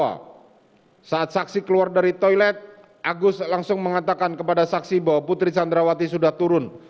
bahwa saat saksi keluar dari toilet agus langsung mengatakan kepada saksi bahwa putri candrawati sudah turun